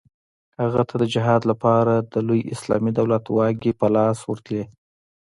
هغه ته د جهاد لپاره د لوی اسلامي دولت واګې په لاس ورتلې.